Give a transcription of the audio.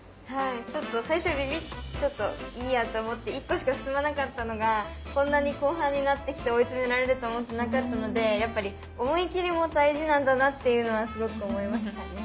ちょっと最初ビビッちょっといいやと思って１個しか進まなかったのがこんなに後半になってきて追いつめられると思ってなかったのでやっぱりすごく思いました。